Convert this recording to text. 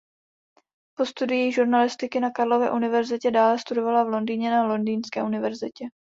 Po studiích žurnalistiky na Karlově univerzitě dále studovala v Londýně na Londýnské univerzitě.